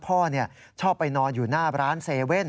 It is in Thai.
พ่อชอบไปนอนอยู่หน้าร้าน๗๑๑